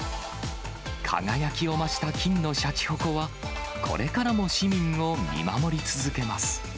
輝きを増した金のしゃちほこは、これからも市民を見守り続けます。